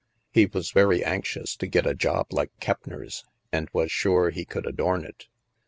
He was very anxious to get a job like Keppner's and was sure he could adorn it.